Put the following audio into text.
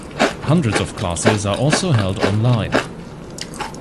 Hundreds of classes are also held online.